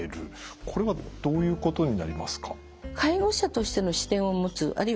これはどういうことになりますか？